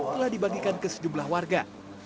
telah dibagikan ke sejumlah warga